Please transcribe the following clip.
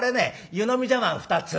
湯飲み茶わん２つ」。